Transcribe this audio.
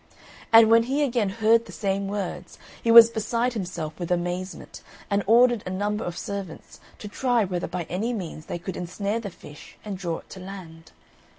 And when he again heard the same words, he was beside himself with amazement, and ordered a number of servants to try whether by any means they could ensnare the fish and draw it to land.